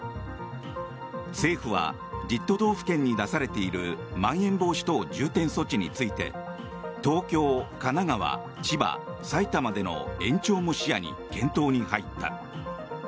政府は１０都道府県に出されているまん延防止等重点措置について東京、神奈川、千葉、埼玉での延長も視野に検討に入った。